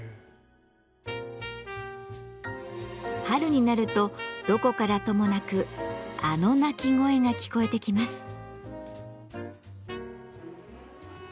春になるとどこからともなくあの鳴き声が聞こえてきます。